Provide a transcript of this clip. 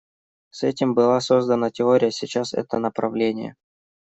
С этим была создана теория, сейчас это направление.